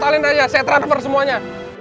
salin aja saya transfer semuanya